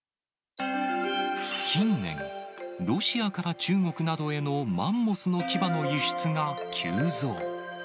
近年、ロシアから中国などへのマンモスの牙の輸出が急増。